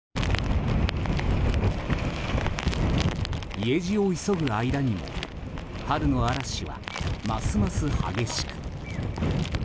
家路を急ぐ間にも春の嵐は、ますます激しく。